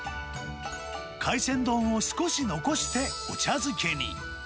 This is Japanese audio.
海鮮丼を少し残してお茶漬けに。